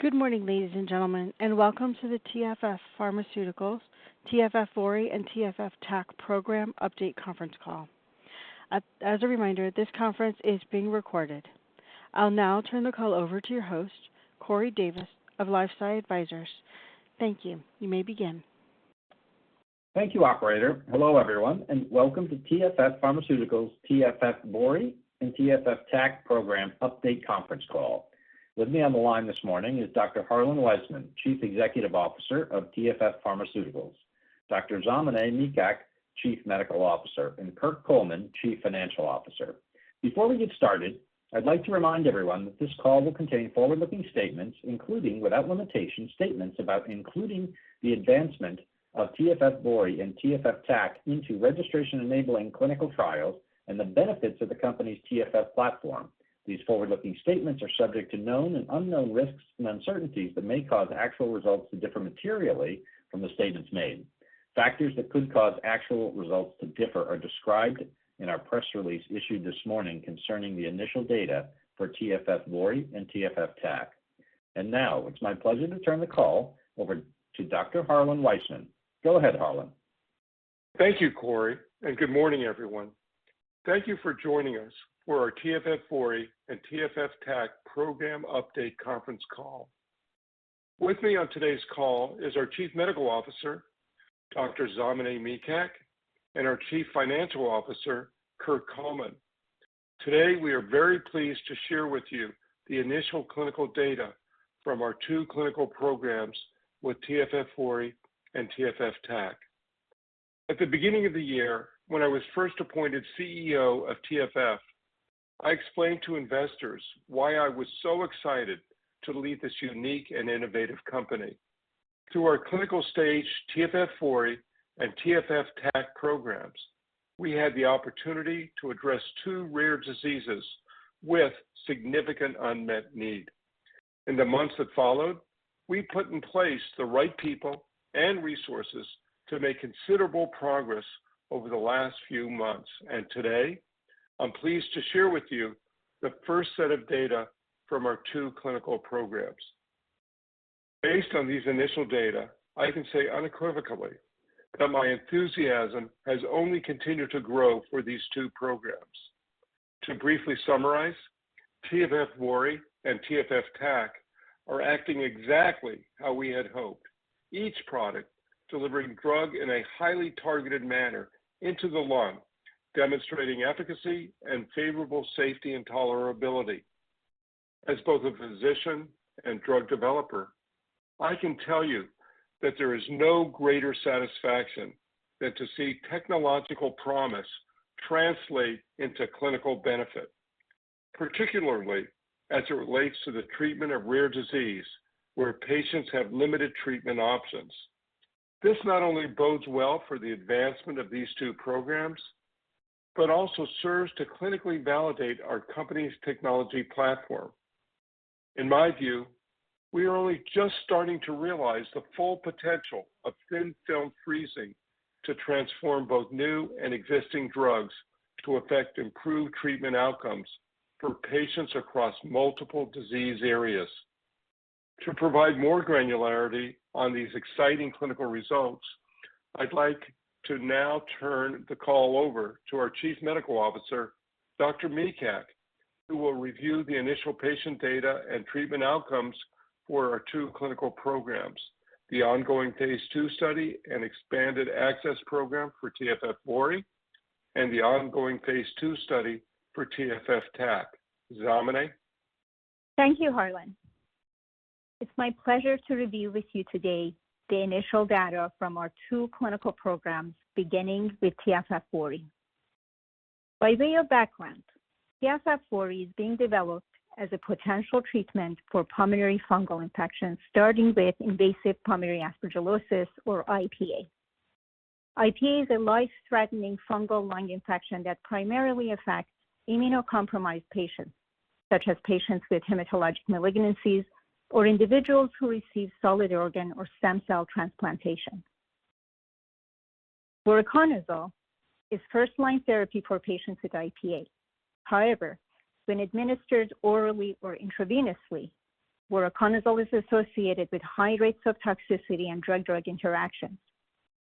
Good morning, ladies and gentlemen, and welcome to the TFF Pharmaceuticals, TFF VORI, and TFF TAC program update conference call. As a reminder, this conference is being recorded. I'll now turn the call over to your host, Corey Davis of LifeSci Advisors. Thank you. You may begin. Thank you, operator. Hello, everyone, and welcome to TFF Pharmaceuticals, TFF VORI, and TFF TAC program update conference call. With me on the line this morning is Dr. Harlan Weisman, Chief Executive Officer of TFF Pharmaceuticals, Dr. Zamaneh Mikhak, Chief Medical Officer, and Kirk Coleman, Chief Financial Officer. Before we get started, I'd like to remind everyone that this call will contain forward-looking statements, including, without limitation, statements about including the advancement of TFF VORI and TFF TAC into registration-enabling clinical trials and the benefits of the company's TFF platform. These forward-looking statements are subject to known and unknown risks and uncertainties that may cause actual results to differ materially from the statements made. Factors that could cause actual results to differ are described in our press release issued this morning concerning the initial data for TFF VORI and TFF TAC. Now, it's my pleasure to turn the call over to Dr.Harlan Weisman. Go ahead, Harlan. Thank you, Corey, and good morning, everyone. Thank you for joining us for our TFF VORI and TFF TAC program update conference call. With me on today's call is our Chief Medical Officer, Dr. Zamaneh Mikhak, and our Chief Financial Officer, Kirk Coleman. Today, we are very pleased to share with you the initial clinical data from our two clinical programs with TFF VORI and TFF TAC. At the beginning of the year, when I was first appointed CEO of TFF, I explained to investors why I was so excited to lead this unique and innovative company. Through our clinical stage TFF VORI and TFF TAC programs, we had the opportunity to address two rare diseases with significant unmet need. In the months that followed, we put in place the right people and resources to make considerable progress over the last few months, and today I'm pleased to share with you the first set of data from our two clinical programs. Based on these initial data, I can say unequivocally that my enthusiasm has only continued to grow for these two programs. To briefly summarize, TFF VORI and TFF TAC are acting exactly how we had hoped, each product delivering drug in a highly targeted manner into the lung, demonstrating efficacy and favorable safety and tolerability. As both a physician and drug developer, I can tell you that there is no greater satisfaction than to see technological promise translate into clinical benefit, particularly as it relates to the treatment of rare disease, where patients have limited treatment options. This not only bodes well for the advancement of these two programs, but also serves to clinically validate our company's technology platform. In my view, we are only just starting to realize the full potential of thin film freezing to transform both new and existing drugs to effect improved treatment outcomes for patients across multiple disease areas. To provide more granularity on these exciting clinical results, I'd like to now turn the call over to our Chief Medical Officer, Dr. Mikhak, who will review the initial patient data and treatment outcomes for our two clinical programs, the ongoing phase II study and expanded access program for TFF VORI and the ongoing phase II study for TFF TAC. Zamaneh? Thank you, Harlan. It's my pleasure to review with you today the initial data from our two clinical programs, beginning with TFF VORI. By way of background, TFF VORI is being developed as a potential treatment for pulmonary fungal infections, starting with invasive pulmonary aspergillosis, or IPA. IPA is a life-threatening fungal lung infection that primarily affects immunocompromised patients, such as patients with hematologic malignancies or individuals who receive solid organ or stem cell transplantation. Voriconazole is first-line therapy for patients with IPA. However, when administered orally or intravenously, voriconazole is associated with high rates of toxicity and drug-drug interactions.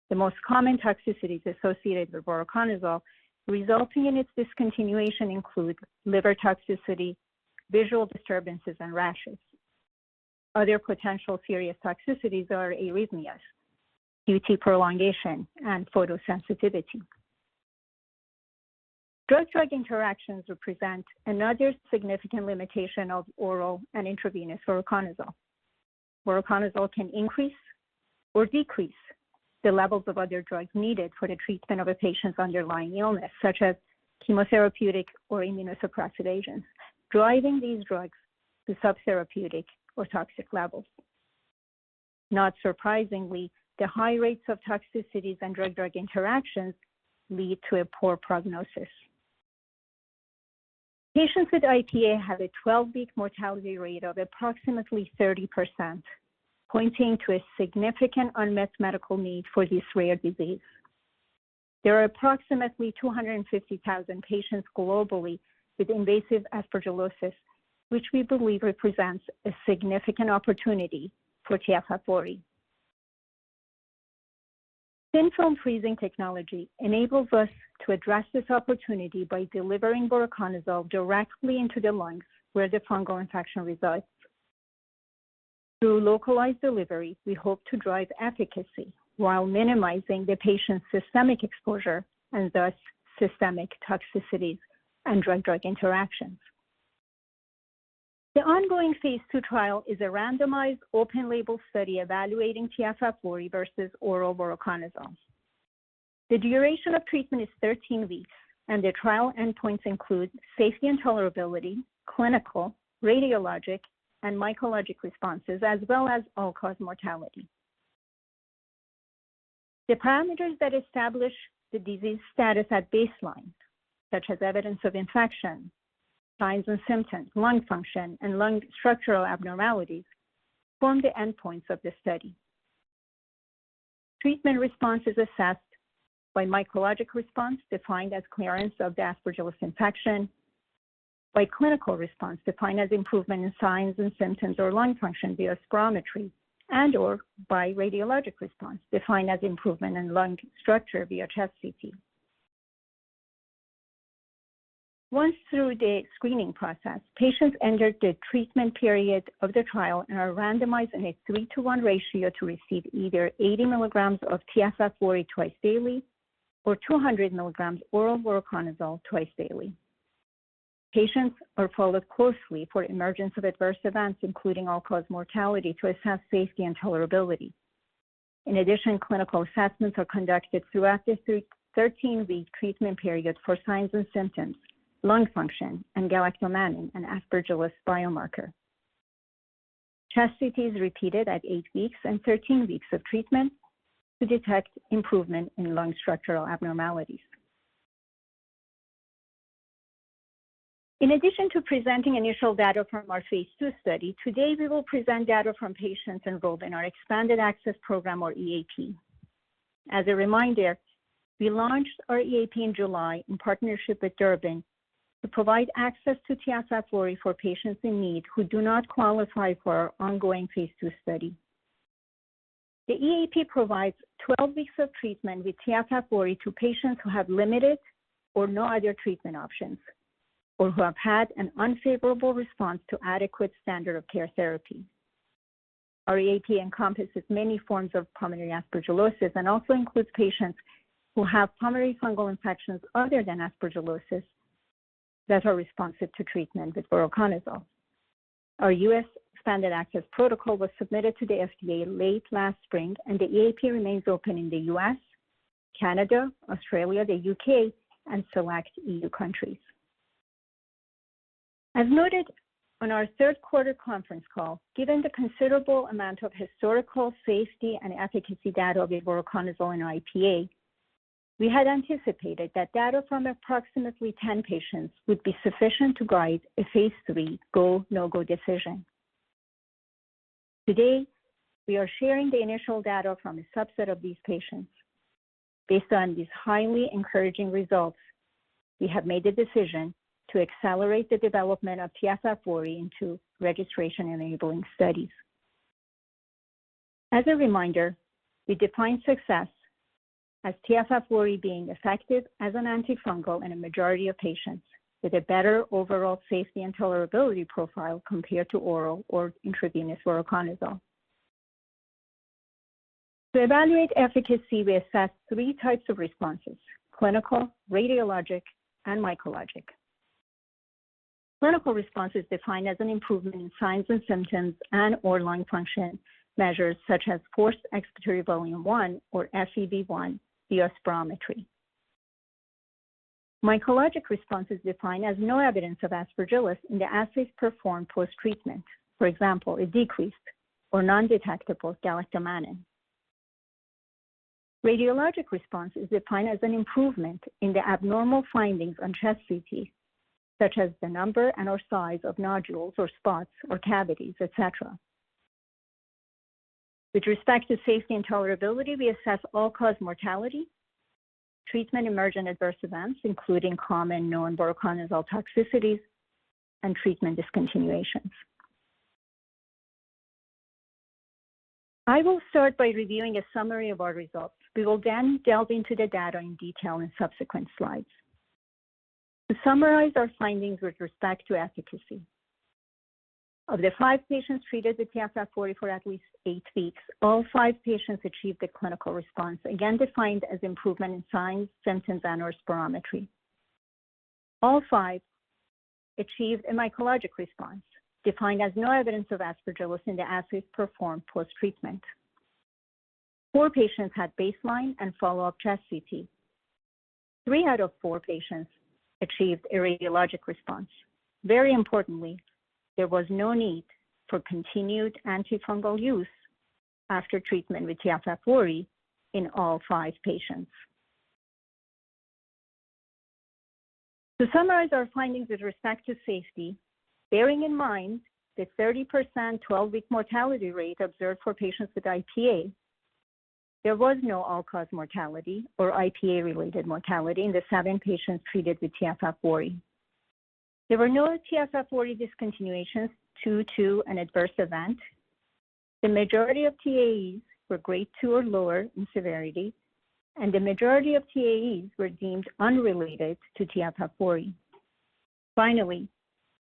The most common toxicities associated with voriconazole resulting in its discontinuation include liver toxicity, visual disturbances, and rashes. Other potential serious toxicities are arrhythmias, QT prolongation, and photosensitivity. Drug-drug interactions represent another significant limitation of oral and intravenous voriconazole. Voriconazole can increase or decrease the levels of other drugs needed for the treatment of a patient's underlying illness, such as chemotherapeutic or immunosuppressive agents, driving these drugs to subtherapeutic or toxic levels. Not surprisingly, the high rates of toxicities and drug-drug interactions lead to a poor prognosis. Patients with IPA have a 12-week mortality rate of approximately 30%, pointing to a significant unmet medical need for this rare disease.... There are approximately 250,000 patients globally with invasive aspergillosis, which we believe represents a significant opportunity for TFF VORI. Thin Film Freezing technology enables us to address this opportunity by delivering voriconazole directly into the lungs, where the fungal infection resides. Through localized delivery, we hope to drive efficacy while minimizing the patient's systemic exposure and thus systemic toxicities and drug-drug interactions. The ongoing phase II trial is a randomized, open-label study evaluating TFF VORI versus oral voriconazole. The duration of treatment is 13 week, and the trial endpoints include safety and tolerability, clinical, radiologic, and mycologic responses, as well as all-cause mortality. The parameters that establish the disease status at baseline, such as evidence of infection, signs and symptoms, lung function, and lung structural abnormalities, form the endpoints of this study. Treatment response is assessed by mycologic response, defined as clearance of the Aspergillus infection, by clinical response, defined as improvement in signs and symptoms or lung function via spirometry, and/or by radiologic response, defined as improvement in lung structure via chest CT. Once through the screening process, patients enter the treatment period of the trial and are randomized in a three to one ratio to receive either 80 mg of TFF VORI twice daily or 200 mg oral voriconazole twice daily. Patients are followed closely for emergence of adverse events, including all-cause mortality, to assess safety and tolerability. In addition, clinical assessments are conducted throughout the 13-week treatment period for signs and symptoms, lung function, and galactomannan and Aspergillus biomarker. Chest CT is repeated at eight weeks and 13 weeks of treatment to detect improvement in lung structural abnormalities. In addition to presenting initial data from our phase II study, today we will present data from patients enrolled in our Expanded Access Program or EAP. As a reminder, we launched our EAP in July in partnership with Durbin to provide access to TFF VORI for patients in need who do not qualify for our ongoing phase II study. The EAP provides 12 week of treatment with TFF VORI to patients who have limited or no other treatment options or who have had an unfavorable response to adequate standard of care therapy. Our EAP encompasses many forms of pulmonary aspergillosis and also includes patients who have pulmonary fungal infections other than aspergillosis that are responsive to treatment with voriconazole. Our U.S. expanded access protocol was submitted to the FDA late last spring, and the EAP remains open in the U.S., Canada, Australia, the U.K., and select E.U. countries. As noted on our third quarter conference call, given the considerable amount of historical safety and efficacy data of voriconazole in IPA, we had anticipated that data from approximately 10 patients would be sufficient to guide a phase III Go/No-Go decision. Today, we are sharing the initial data from a subset of these patients. Based on these highly encouraging results, we have made the decision to accelerate the development of TFF VORI into registration-enabling studies. As a reminder, we define success as TFF VORI being effective as an antifungal in a majority of patients with a better overall safety and tolerability profile compared to oral or intravenous voriconazole. To evaluate efficacy, we assess three types of responses: clinical, radiologic, and mycologic. Clinical response is defined as an improvement in signs and symptoms and/or lung function measures such as forced expiratory volume one, or FEV1, via spirometry. Mycologic response is defined as no evidence of Aspergillus in the assays performed post-treatment. For example, a decreased or non-detectable galactomannan. Radiologic response is defined as an improvement in the abnormal findings on chest CT, such as the number and/or size of nodules or spots or cavities, etc. With respect to safety and tolerability, we assess all-cause mortality, treatment-emergent adverse events, including common known voriconazole toxicities and treatment discontinuations. I will start by reviewing a summary of our results. We will then delve into the data in detail in subsequent slides. To summarize our findings with respect to efficacy, of the five patients treated with TFF VORI for at least eight weeks, all five patients achieved a clinical response, again defined as improvement in signs, symptoms, and/or spirometry. All five achieved a mycologic response, defined as no evidence of Aspergillus in the assays performed post-treatment. Four patients had baseline and follow-up chest CT. Three out of four patients achieved a radiologic response. Very importantly, there was no need for continued antifungal use after treatment with TFF VORI in all five patients. To summarize our findings with respect to safety, bearing in mind the 30% 12-week mortality rate observed for patients with IPA, there was no all-cause mortality or IPA-related mortality in the seven patients treated with TFF VORI. There were no TFF VORI discontinuations due to an adverse event. The majority of TAEs were grade two or lower in severity, and the majority of TAEs were deemed unrelated to TFF VORI. Finally,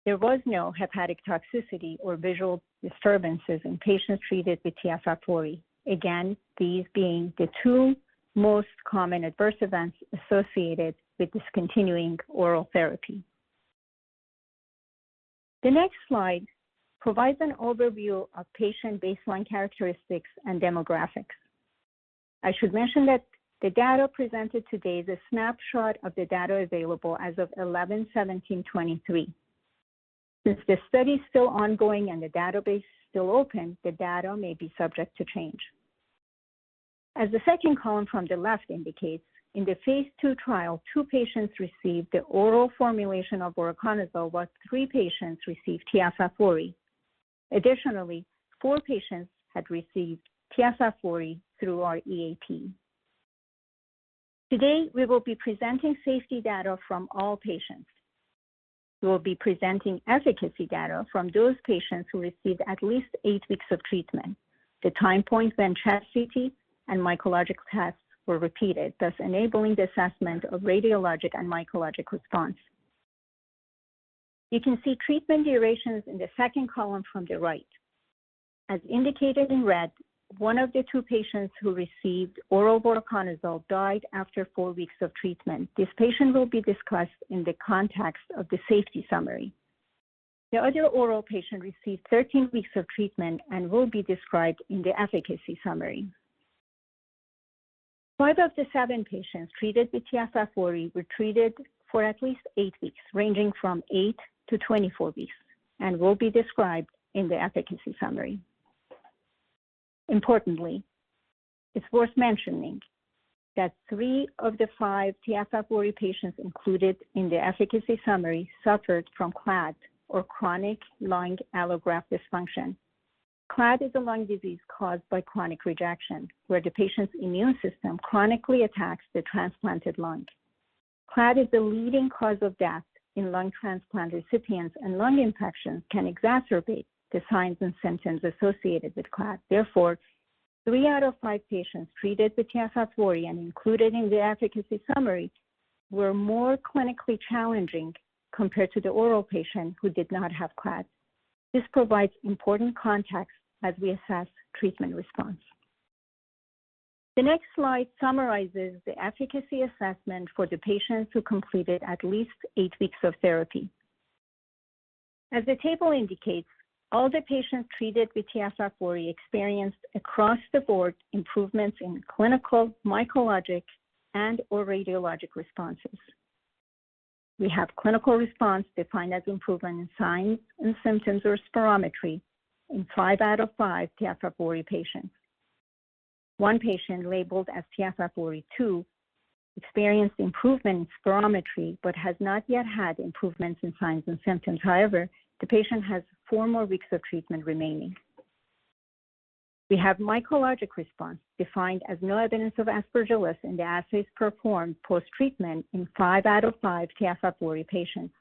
there was no hepatic toxicity or visual disturbances in patients treated with TFF VORI. Again, these being the two most common adverse events associated with discontinuing oral therapy. The next slide provides an overview of patient baseline characteristics and demographics. I should mention that the data presented today is a snapshot of the data available as of 11/17/2023. Since the study is still ongoing and the database still open, the data may be subject to change. As the second column from the left indicates, in the phase II trial, two patients received the oral formulation of voriconazole, while three patients received TFF VORI. Additionally, four patients had received TFF VORI through our EAP. Today, we will be presenting safety data from all patients. We will be presenting efficacy data from those patients who received at least eight weeks of treatment. The time points when chest CT and mycologic tests were repeated, thus enabling the assessment of radiologic and mycologic response. You can see treatment durations in the second column from the right. As indicated in red, one of the two patients who received oral voriconazole died after four weeks of treatment. This patient will be discussed in the context of the safety summary. The other oral patient received 13 weeks of treatment and will be described in the efficacy summary. Five of the seven patients treated with TF40 were treated for at least eight weeks, ranging from eight to 24 weeks, and will be described in the efficacy summary. Importantly, it's worth mentioning that three of the five TF40 patients included in the efficacy summary suffered from CLAD, or chronic lung allograft dysfunction. CLAD is a lung disease caused by chronic rejection, where the patient's immune system chronically attacks the transplanted lung. CLAD is the leading cause of death in lung transplant recipients, and lung infections can exacerbate the signs and symptoms associated with CLAD. Therefore, three out of five patients treated with TF40 and included in the efficacy summary were more clinically challenging compared to the oral patient who did not have CLAD. This provides important context as we assess treatment response. The next slide summarizes the efficacy assessment for the patients who completed at least eight weeks of therapy. As the table indicates, all the patients treated with TF40 experienced across the board improvements in clinical, mycologic, and or radiologic responses. We have clinical response, defined as improvement in signs and symptoms or spirometry in five out of five TF40 patients. One patient, labeled as TFF VORI-two, experienced improvement in spirometry but has not yet had improvements in signs and symptoms. However, the patient has four more weeks of treatment remaining. We have mycologic response, defined as no evidence of Aspergillus in the assays performed post-treatment in five out of five TFF VORI patients.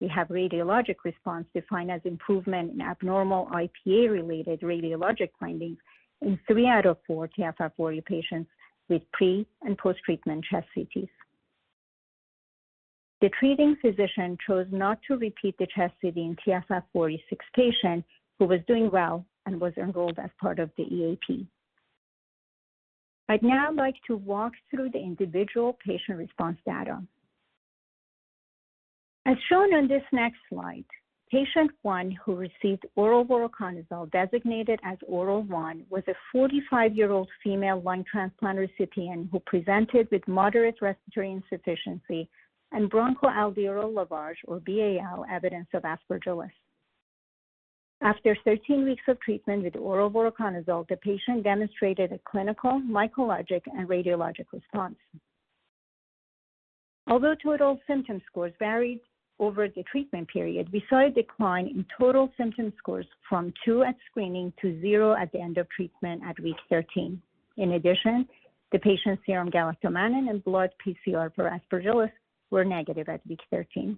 We have radiologic response, defined as improvement in abnormal IPA-related radiologic findings in three out of four TFF VORI patients with pre- and post-treatment chest CTs. The treating physician chose not to repeat the chest CT in TFF VORI-six patient, who was doing well and was enrolled as part of the EAP. I'd now like to walk through the individual patient response data. As shown on this next slide, patient 1, who received oral voriconazole, designated as Oral-1, was a 45-year-old female lung transplant recipient who presented with moderate respiratory insufficiency and bronchoalveolar lavage, or BAL, evidence of Aspergillus. After 13 weeks of treatment with oral voriconazole, the patient demonstrated a clinical, mycologic, and radiologic response. Although total symptom scores varied over the treatment period, we saw a decline in total symptom scores from two at screening to zero at the end of treatment at week 13. In addition, the patient's serum galactomannan and blood PCR for Aspergillus were negative at week 13.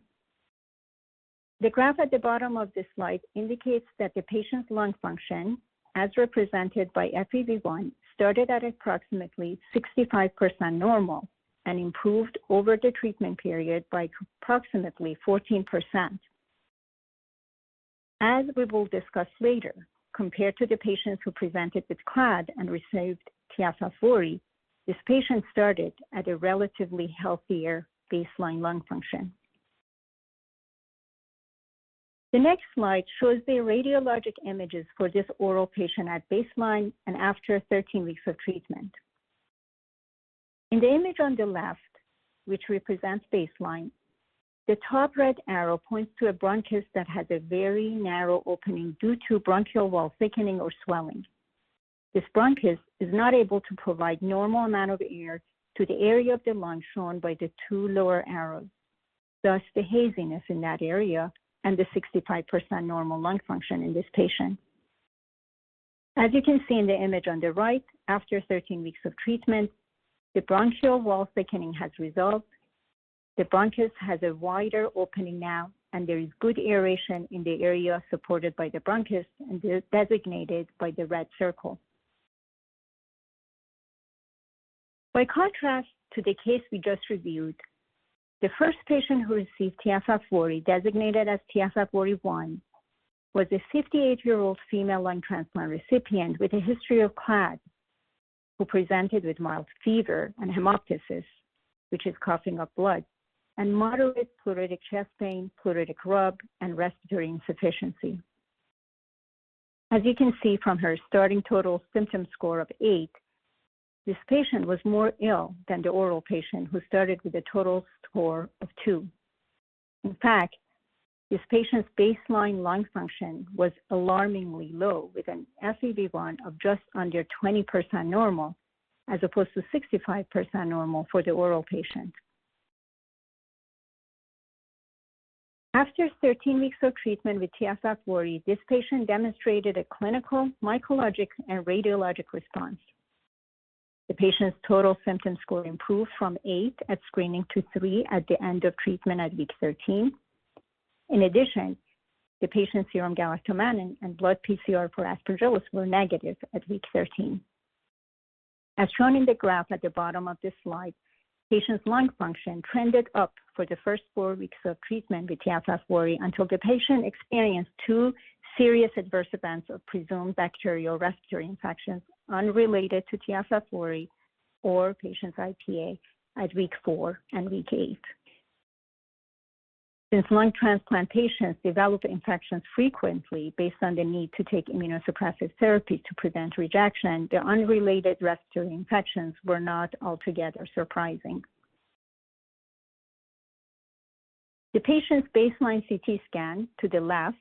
The graph at the bottom of this slide indicates that the patient's lung function, as represented by FEV1, started at approximately 65% normal and improved over the treatment period by approximately 14%. As we will discuss later, compared to the patients who presented with CLAD and received TF40, this patient started at a relatively healthier baseline lung function. The next slide shows the radiologic images for this oral patient at baseline and after 13 weeks of treatment. In the image on the left, which represents baseline, the top red arrow points to a bronchus that has a very narrow opening due to bronchial wall thickening or swelling. This bronchus is not able to provide normal amount of air to the area of the lung shown by the two lower arrows, thus the haziness in that area and the 65% normal lung function in this patient. As you can see in the image on the right, after 13 weeks of treatment, the bronchial wall thickening has resolved. The bronchus has a wider opening now, and there is good aeration in the area supported by the bronchus and designated by the red circle. By contrast to the case we just reviewed, the first patient who received TFF VORI, designated as TFF VORI-one, was a 58-year-old female lung transplant recipient with a history of CLAD, who presented with mild fever and hemoptysis, which is coughing up blood, and moderate pleuritic chest pain, pleuritic rub, and respiratory insufficiency. As you can see from her starting total symptom score of eight, this patient was more ill than the oral patient, who started with a total score of two. In fact, this patient's baseline lung function was alarmingly low, with an FEV1 of just under 20% normal, as opposed to 65% normal for the oral patient. After 13 weeks of treatment with TFR40, this patient demonstrated a clinical, mycologic, and radiologic response. The patient's total symptom score improved from eight at screening to three at the end of treatment at week 13. In addition, the patient's serum galactomannan and blood PCR for Aspergillus were negative at week 13. As shown in the graph at the bottom of this slide, patient's lung function trended up for the first four weeks of treatment with TFF VORI until the patient experienced two serious adverse events of presumed bacterial respiratory infections unrelated to TFF VORI or patient's IPA at week four and week eight. Since lung transplant patients develop infections frequently based on the need to take immunosuppressive therapy to prevent rejection, the unrelated respiratory infections were not altogether surprising. The patient's baseline CT scan to the left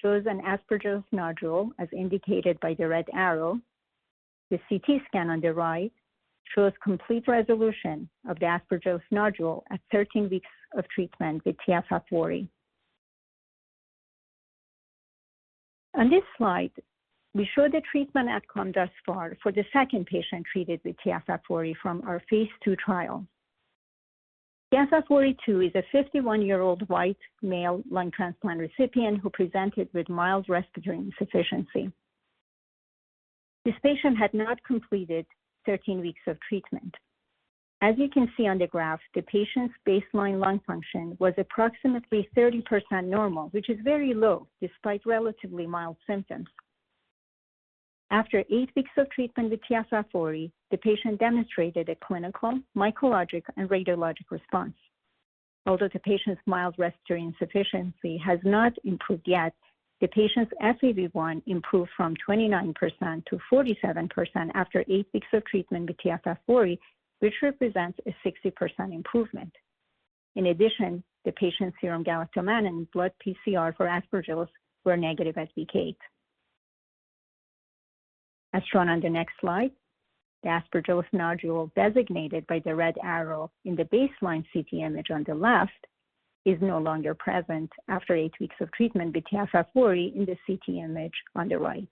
shows an Aspergillus nodule, as indicated by the red arrow. The CT scan on the right shows complete resolution of the Aspergillus nodule at 13 weeks of treatment with TFF VORI. On this slide, we show the treatment outcome thus far for the second patient treated with TFF VORI from our phase II trial. TFF VORI-102 is a 51-year-old white male, lung transplant recipient who presented with mild respiratory insufficiency. This patient had not completed 13 weeks of treatment. As you can see on the graph, the patient's baseline lung function was approximately 30% normal, which is very low despite relatively mild symptoms. After eight weeks of treatment with TFF VORI, the patient demonstrated a clinical, mycologic, and radiologic response. Although the patient's mild respiratory insufficiency has not improved yet, the patient's FEV1 improved from 29% to 47% after eight weeks of treatment with TFF VORI, which represents a 60% improvement. In addition, the patient's serum galactomannan blood PCR for Aspergillus were negative at week eight. As shown on the next slide, the Aspergillus nodule, designated by the red arrow in the baseline CT image on the left, is no longer present after eight weeks of treatment with TFR40 in the CT image on the right.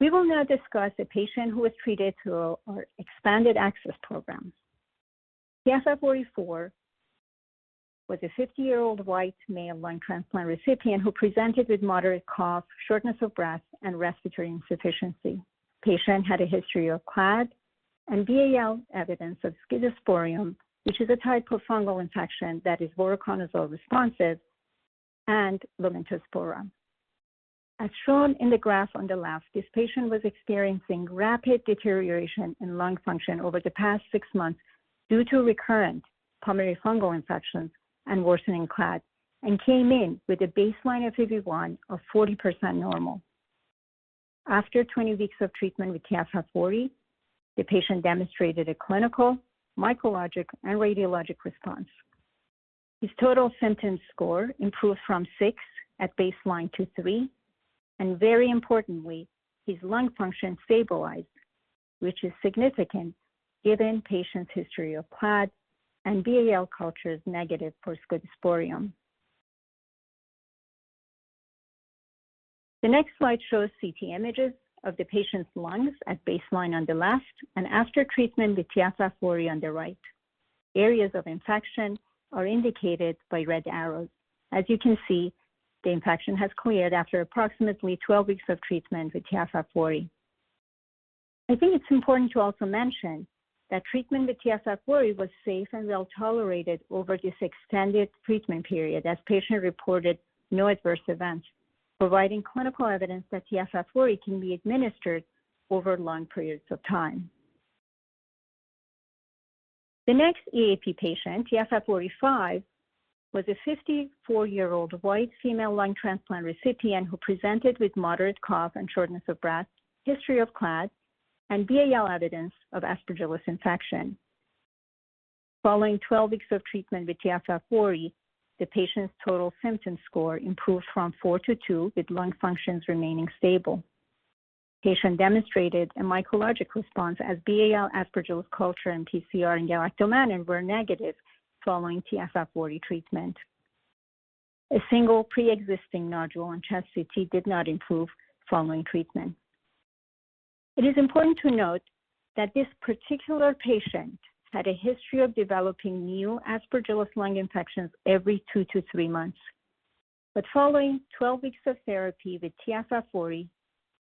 We will now discuss a patient who was treated through our expanded access program. TFF VORI-four was a 50-year-old white male, lung transplant recipient who presented with moderate cough, shortness of breath, and respiratory insufficiency. Patient had a history of CLAD and BAL evidence of Scedosporium, which is a type of fungal infection that is voriconazole responsive and Lomentospora. As shown in the graph on the left, this patient was experiencing rapid deterioration in lung function over the past six months due to recurrent pulmonary fungal infections and worsening CLAD, and came in with a baseline FEV1 of 40% normal. After 20 weeks of treatment with TFF VORI, the patient demonstrated a clinical, mycologic, and radiologic response. His total symptom score improved from six at baseline to three, and very importantly, his lung function stabilized, which is significant given patient's history of CLAD and BAL cultures negative for Scedosporium. The next slide shows CT images of the patient's lungs at baseline on the left and after treatment with TFF VORI on the right. Areas of infection are indicated by red arrows. As you can see, the infection has cleared after approximately 12 weeks of treatment with TFF VORI. I think it's important to also mention that treatment with TFF VORI was safe and well-tolerated over this extended treatment period, as patient reported no adverse events, providing clinical evidence that TFF VORI can be administered over long periods of time. The next EAP patient, TFF VORI-five, was a 54-year-old white female, lung transplant recipient who presented with moderate cough and shortness of breath, history of CLAD, and BAL evidence of Aspergillus infection. Following 12 weeks of treatment with TFF VORI, the patient's total symptom score improved from four to two, with lung functions remaining stable. Patient demonstrated a mycologic response as BAL Aspergillus culture and PCR and galactomannan were negative following TFF VORI treatment. A single pre-existing nodule on chest CT did not improve following treatment. It is important to note that this particular patient had a history of developing new Aspergillus lung infections every two to three months. But following 12 weeks of therapy with TFF VORI,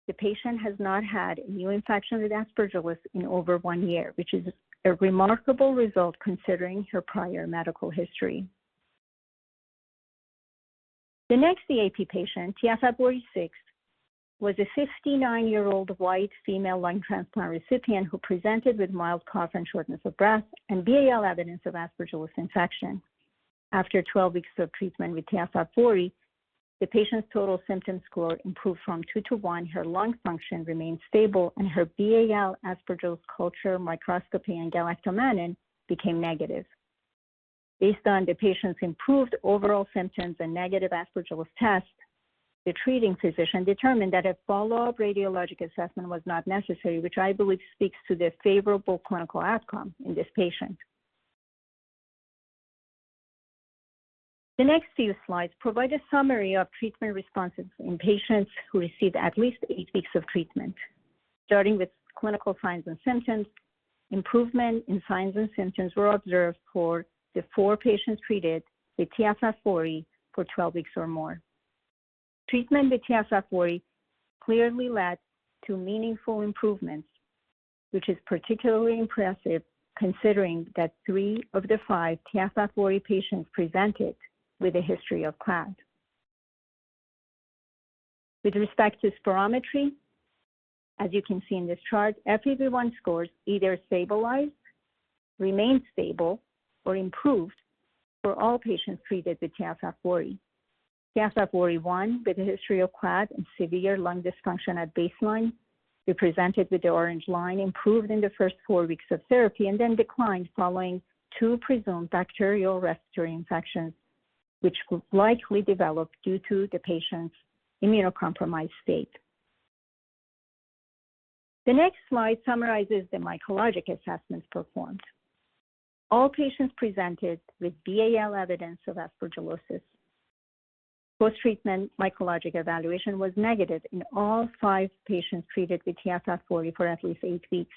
the patient has not had a new infection with Aspergillus in over 1 year, which is a remarkable result considering her prior medical history. The next EAP patient, TFF VORI six, was a 59-year-old white female lung transplant recipient who presented with mild cough and shortness of breath and BAL evidence of Aspergillus infection. After 12 weeks of treatment with TFF VORI, the patient's total symptom score improved from two to one. Her lung function remained stable, and her BAL Aspergillus culture, microscopy, and galactomannan became negative. Based on the patient's improved overall symptoms and negative Aspergillus test, the treating physician determined that a follow-up radiologic assessment was not necessary, which I believe speaks to the favorable clinical outcome in this patient. The next few slides provide a summary of treatment responses in patients who received at least eight weeks of treatment. Starting with clinical signs and symptoms, improvement in signs and symptoms were observed for the four patients treated with TFF VORI for 12 weeks or more. Treatment with TFF VORI clearly led to meaningful improvements, which is particularly impressive considering that three of the five TFF VORI patients presented with a history of CLAD. With respect to spirometry, as you can see in this chart, FEV1 scores either stabilized, remained stable, or improved for all patients treated with TFF VORI. TFF VORI-one, with a history of CLAD and severe lung dysfunction at baseline, represented with the orange line, improved in the first four weeks of therapy and then declined following two presumed bacterial respiratory infections, which likely developed due to the patient's immunocompromised state. The next slide summarizes the mycologic assessments performed. All patients presented with BAL evidence of aspergillosis. Post-treatment mycologic evaluation was negative in all five patients treated with TFF VORI for at least eight weeks.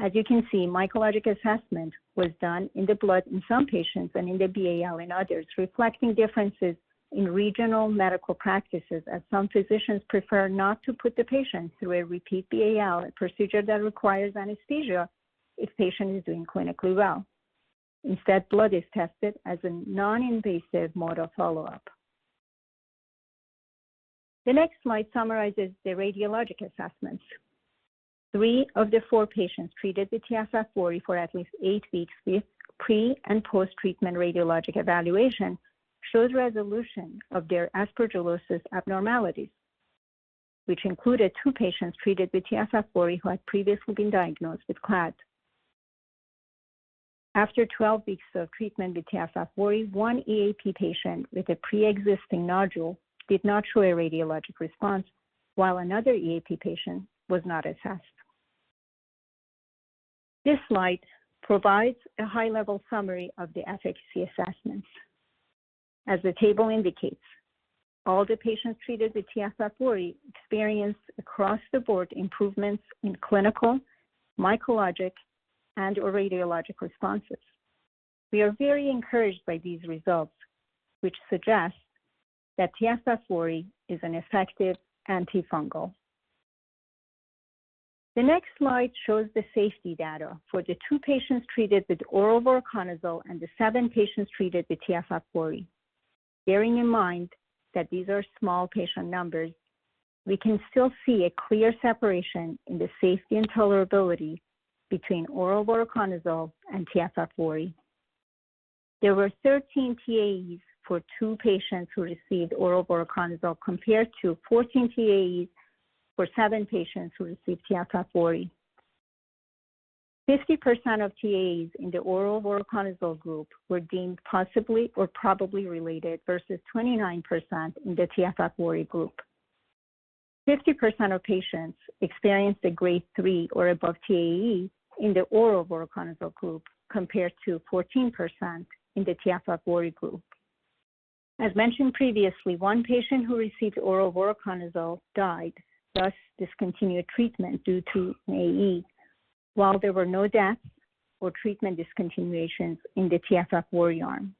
As you can see, mycologic assessment was done in the blood in some patients and in the BAL in others, reflecting differences in regional medical practices, as some physicians prefer not to put the patient through a repeat BAL, a procedure that requires anesthesia if patient is doing clinically well. Instead, blood is tested as a non-invasive mode of follow-up. The next slide summarizes the radiologic assessments. Three of the four patients treated with TFF VORI for at least eight weeks with pre and post-treatment radiologic evaluation showed resolution of their aspergillosis abnormalities, which included two patients treated with TFF VORI who had previously been diagnosed with CLAD. After 12 weeks of treatment with TFF VORI, 1 EAP patient with a pre-existing nodule did not show a radiologic response, while another EAP patient was not assessed. This slide provides a high-level summary of the efficacy assessments. As the table indicates, all the patients treated with TFF VORI experienced across-the-board improvements in clinical, mycologic, and/or radiologic responses. We are very encouraged by these results, which suggest that TFF VORI is an effective antifungal. The next slide shows the safety data for the two patients treated with oral voriconazole and the seven patients treated with TFF VORI. Bearing in mind that these are small patient numbers, we can still see a clear separation in the safety and tolerability between oral voriconazole and TFF VORI. There were 13 TAEs for two patients who received oral voriconazole, compared to 14 TAEs for seven patients who received TFF VORI. 50% of TAEs in the oral voriconazole group were deemed possibly or probably related, versus 29% in the TFF VORI group. 50% of patients experienced a grade three or above TAE in the oral voriconazole group, compared to 14% in the TFF VORI group. As mentioned previously, one patient who received oral voriconazole died, thus discontinued treatment due to AE. While there were no deaths or treatment discontinuations in the TFF VORI arm,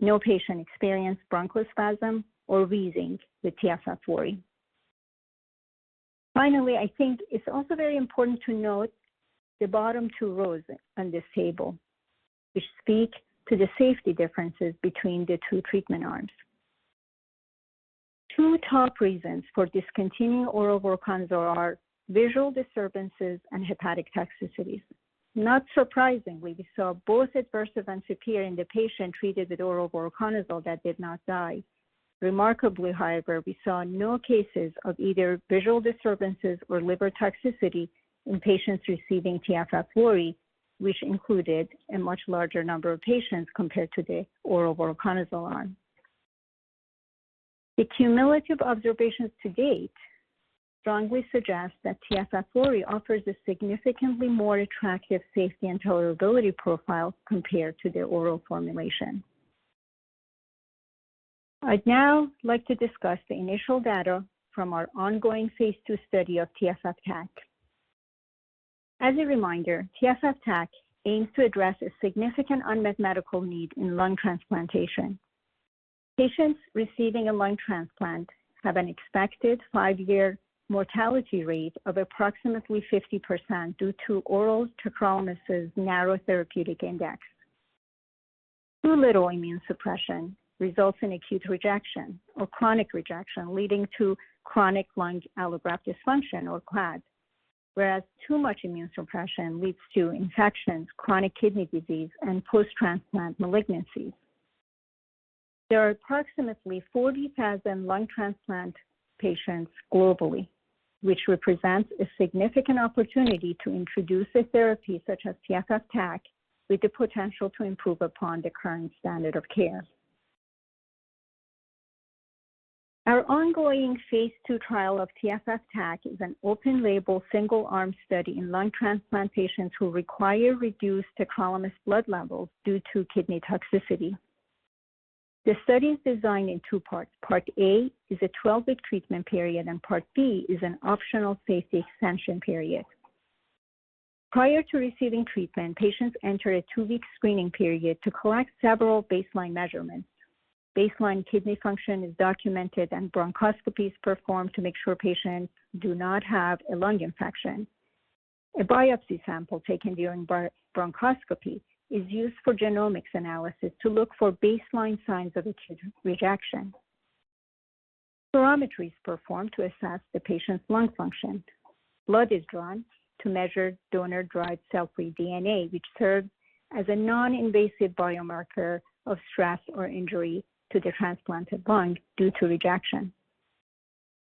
no patient experienced bronchospasm or wheezing with TFF VORI. Finally, I think it's also very important to note the bottom two rows on this table, which speak to the safety differences between the two treatment arms. Two top reasons for discontinuing oral voriconazole are visual disturbances and hepatic toxicities. Not surprisingly, we saw both adverse events appear in the patient treated with oral voriconazole that did not die.... Remarkably, however, we saw no cases of either visual disturbances or liver toxicity in patients receiving TFF VORI, which included a much larger number of patients compared to the oral voriconazole arm. The cumulative observations to date strongly suggest that TFF VORI offers a significantly more attractive safety and tolerability profile compared to the oral formulation. I'd now like to discuss the initial data from our ongoing phase II study of TFF TAC. As a reminder, TFF TAC aims to address a significant unmet medical need in lung transplantation. Patients receiving a lung transplant have an expected 5-years mortality rate of approximately 50% due to oral tacrolimus' narrow therapeutic index. Too little immune suppression results in acute rejection or chronic rejection, leading to chronic lung allograft dysfunction or CLAD, whereas too much immune suppression leads to infections, chronic kidney disease, and post-transplant malignancies. There are approximately 40,000 lung transplant patients globally, which represents a significant opportunity to introduce a therapy such as TFF TAC with the potential to improve upon the current standard of care. Our ongoing phase II trial of TFF TAC is an open-label, single-arm study in lung transplant patients who require reduced tacrolimus blood levels due to kidney toxicity. The study is designed in two parts. Part A is a 12-weeks treatment period, and Part B is an optional safety expansion period. Prior to receiving treatment, patients enter a two weeks screening period to collect several baseline measurements. Baseline kidney function is documented, and bronchoscopy is performed to make sure patients do not have a lung infection. A biopsy sample taken during bronchoscopy is used for genomics analysis to look for baseline signs of acute rejection. Spirometry is performed to assess the patient's lung function. Blood is drawn to measure donor-derived cell-free DNA, which serves as a non-invasive biomarker of stress or injury to the transplanted lung due to rejection.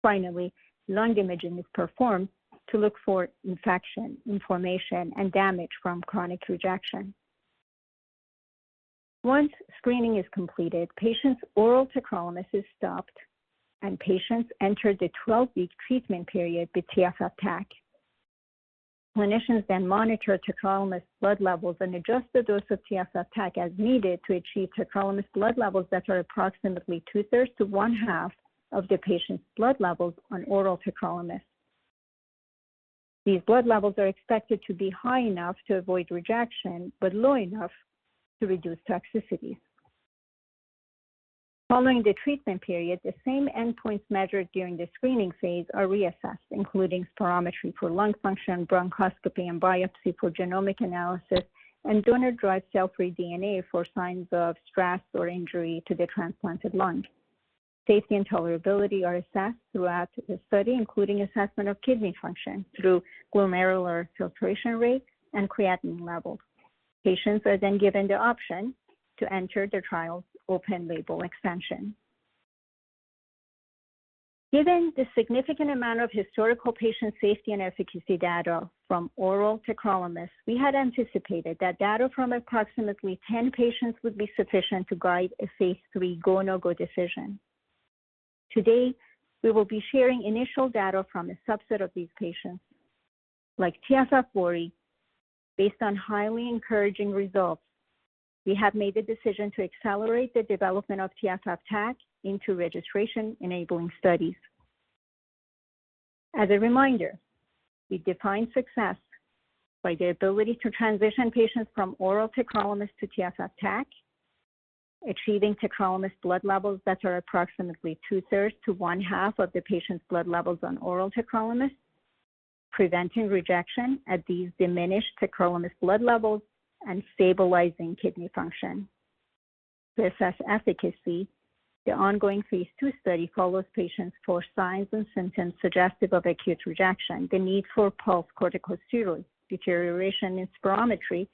Finally, lung imaging is performed to look for infection, inflammation, and damage from chronic rejection. Once screening is completed, patients' oral tacrolimus is stopped, and patients enter the 12-week treatment period with TFF TAC. Clinicians then monitor tacrolimus blood levels and adjust the dose of TFF TAC as needed to achieve tacrolimus blood levels that are approximately 2/3 to 1/2 of the patient's blood levels on oral tacrolimus. These blood levels are expected to be high enough to avoid rejection but low enough to reduce toxicities. Following the treatment period, the same endpoints measured during the screening phase are reassessed, including spirometry for lung function, bronchoscopy and biopsy for genomic analysis, and donor-derived cell-free DNA for signs of stress or injury to the transplanted lung. Safety and tolerability are assessed throughout the study, including assessment of kidney function through glomerular filtration rate and creatinine levels. Patients are then given the option to enter the trial's open label expansion. Given the significant amount of historical patient safety and efficacy data from oral tacrolimus, we had anticipated that data from approximately 10 patients would be sufficient to guide a phase III go/no-go decision. Today, we will be sharing initial data from a subset of these patients. Like TFF VORI, based on highly encouraging results, we have made the decision to accelerate the development of TFF TAC into registration-enabling studies. As a reminder, we define success by the ability to transition patients from oral tacrolimus to TFF TAC, achieving tacrolimus blood levels that are approximately 2/3-1/2 of the patient's blood levels on oral tacrolimus, preventing rejection at these diminished tacrolimus blood levels, and stabilizing kidney function. To assess efficacy, the ongoing phase II study follows patients for signs and symptoms suggestive of acute rejection, the need for pulse corticosteroids, deterioration in spirometry,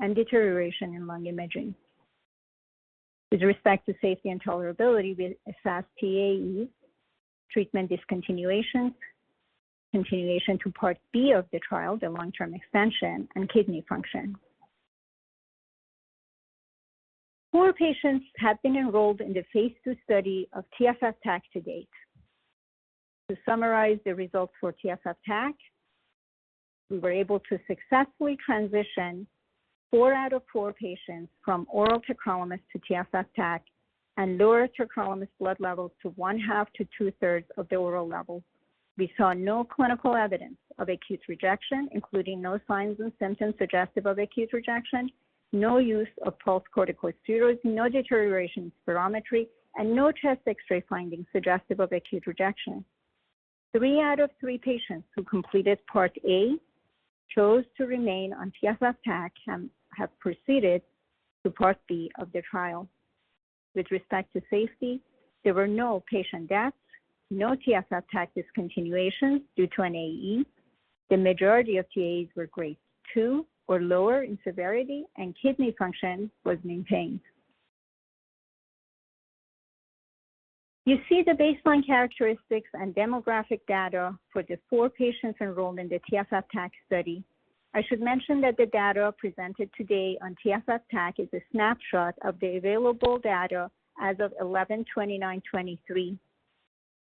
and deterioration in lung imaging. With respect to safety and tolerability, we assess TAE, treatment discontinuation, continuation to Part B of the trial, the long-term expansion, and kidney function. Four patients have been enrolled in the phase II study of TFF TAC to date. To summarize the results for TFF TAC, we were able to successfully transition four out of four patients from oral tacrolimus to TFF TAC and lower tacrolimus blood levels to 1/2 to 2/3 of the oral level. We saw no clinical evidence of acute rejection, including no signs and symptoms suggestive of acute rejection, no use of pulse corticosteroids, no deterioration in spirometry, and no chest X-ray findings suggestive of acute rejection. Three out of three patients who completed Part A chose to remain on TFF TAC and have proceeded to Part B of the trial. With respect to safety, there were no patient deaths, no TFF TAC discontinuations due to an AE. The majority of TAEs were grade two or lower in severity, and kidney function was maintained. You see the baseline characteristics and demographic data for the four patients enrolled in the TFF TAC study. I should mention that the data presented today on TFF TAC is a snapshot of the available data as of 11/29/2023.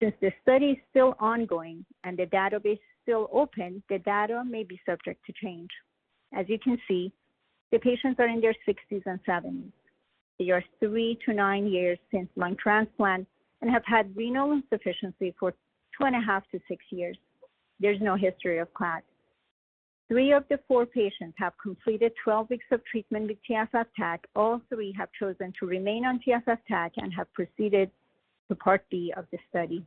Since the study is still ongoing and the database still open, the data may be subject to change. As you can see, the patients are in their sixties and seventies. They are three to nine years since lung transplant and have had renal insufficiency for two and a half to six years. There's no history of CLAD. Three of the four patients have completed 12 weeks of treatment with TFF TAC. All three have chosen to remain on TFF TAC and have proceeded to Part B of the study.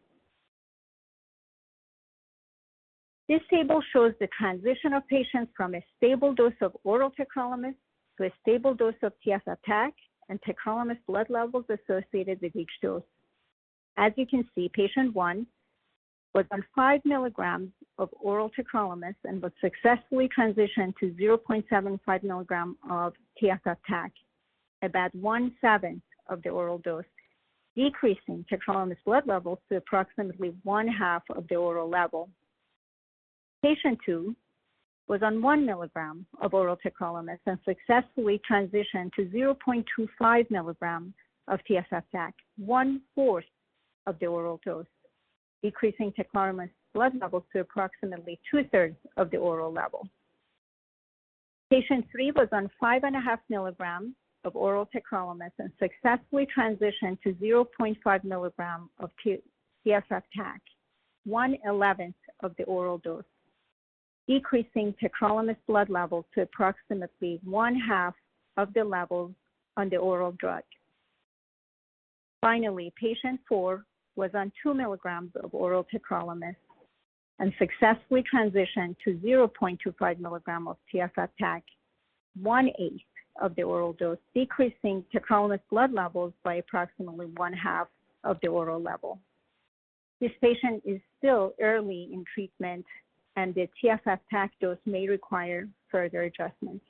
This table shows the transition of patients from a stable dose of oral tacrolimus to a stable dose of TFF TAC and tacrolimus blood levels associated with each dose. As you can see, Patient 1 was on 5 mg of oral tacrolimus and was successfully transitioned to 0.75 mg of TFF TAC, about 1/7 of the oral dose, decreasing tacrolimus blood levels to approximately 1/2 of the oral level. Patient 2 was on 1 milligram of oral tacrolimus and successfully transitioned to 0.25 mg of TFF TAC, 1/4 of the oral dose, decreasing tacrolimus blood levels to approximately 2/3 of the oral level. Patient three was on 5.5 mg of oral tacrolimus and successfully transitioned to 0.5 mg of TFF TAC, one-eleventh of the oral dose, decreasing tacrolimus blood levels to approximately 1/2 of the level on the oral drug. Finally, patient four was on 2 mg of oral tacrolimus and successfully transitioned to 0.25 mg of TFF TAC, 1/8 of the oral dose, decreasing tacrolimus blood levels by approximately 1/2 of the oral level. This patient is still early in treatment, and the TFF TAC dose may require further adjustment.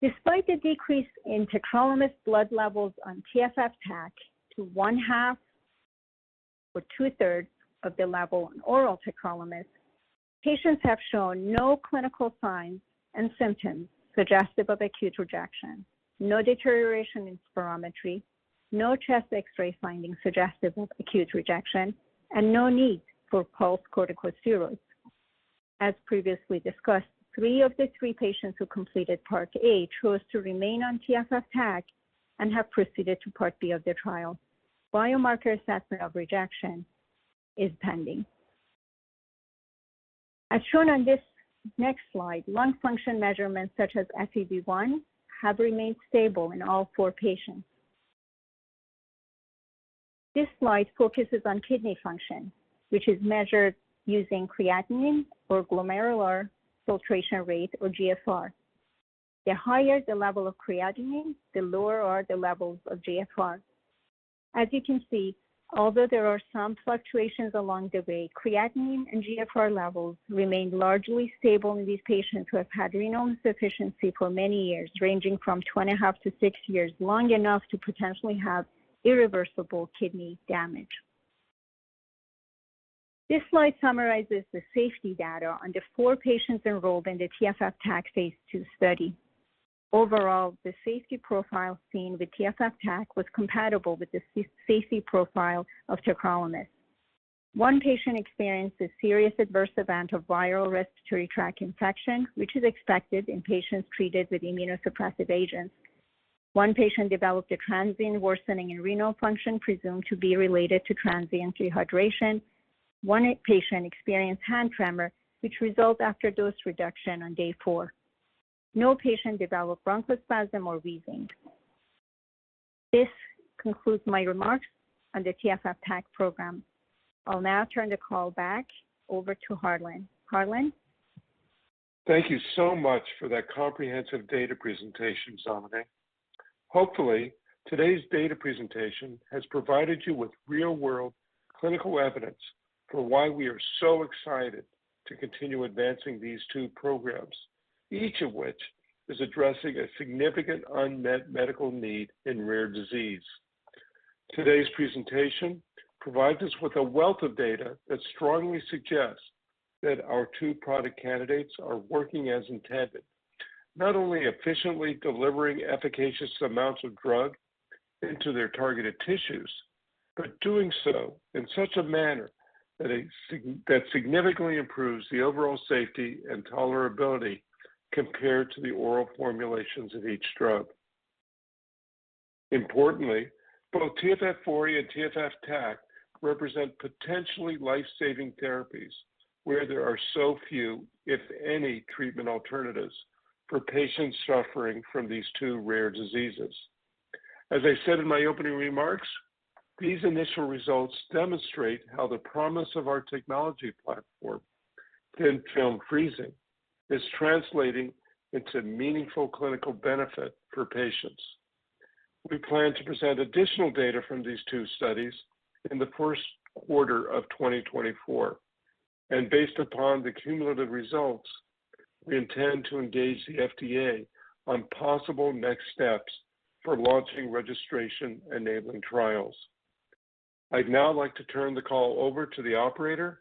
Despite the decrease in tacrolimus blood levels on TFF TAC to 1/2 or 2/3 of the level on oral tacrolimus, patients have shown no clinical signs and symptoms suggestive of acute rejection, no deterioration in spirometry, no chest X-ray findings suggestive of acute rejection, and no need for pulsed corticosteroids. As previously discussed, three of the three patients who completed part A chose to remain on TFF TAC and have proceeded to Part B of the trial. Biomarker assessment of rejection is pending. As shown on this next slide, lung function measurements such as FEV1 have remained stable in all four patients. This slide focuses on kidney function, which is measured using creatinine or glomerular filtration rate or GFR. The higher the level of creatinine, the lower are the levels of GFR. As you can see, although there are some fluctuations along the way, creatinine and GFR levels remain largely stable in these patients who have had renal insufficiency for many years, ranging from two and a half to six years, long enough to potentially have irreversible kidney damage. This slide summarizes the safety data on the four patients enrolled in the TFF TAC phase II study. Overall, the safety profile seen with TFF TAC was compatible with the safety profile of tacrolimus. One patient experienced a serious adverse event of viral respiratory tract infection, which is expected in patients treated with immunosuppressive agents. One patient developed a transient worsening in renal function, presumed to be related to transient dehydration. One patient experienced hand tremor, which resolved after dose reduction on day four. No patient developed bronchospasm or wheezing. This concludes my remarks on the TFF TAC program. I'll now turn the call back over to Harlan. Harlan? Thank you so much for that comprehensive data presentation, Zamaneh. Hopefully, today's data presentation has provided you with real-world clinical evidence for why we are so excited to continue advancing these two programs, each of which is addressing a significant unmet medical need in rare disease. Today's presentation provides us with a wealth of data that strongly suggests that our two product candidates are working as intended, not only efficiently delivering efficacious amounts of drug into their targeted tissues, but doing so in such a manner that that significantly improves the overall safety and tolerability compared to the oral formulations of each drug. Importantly, both TFF VORI and TFF TAC represent potentially life-saving therapies where there are so few, if any, treatment alternatives for patients suffering from these two rare diseases. As I said in my opening remarks, these initial results demonstrate how the promise of our technology platform, Thin Film Freezing, is translating into meaningful clinical benefit for patients.... We plan to present additional data from these two studies in the first quarter of 2024, and based upon the cumulative results, we intend to engage the FDA on possible next steps for launching registration-enabling trials. I'd now like to turn the call over to the operator,